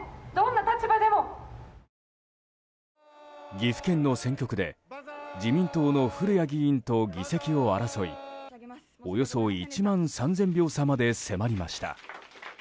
岐阜県の選挙区で自民党の古屋議員と議席を争いおよそ１万３０００票差まで迫りました。